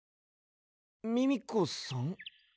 ミミコさん？